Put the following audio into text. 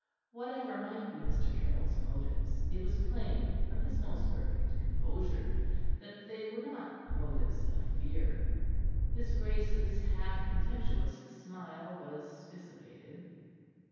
Whatever might be Mr. Caryll's motives, it was plain from his most perfect composure that they were not motives of fear. His grace's half contemptuous smile was dissipated.